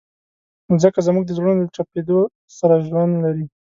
مځکه زموږ د زړونو د تپېدو سره ژوند لري.